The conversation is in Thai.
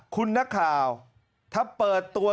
คุณนักข่าวถ้าเปิดตัว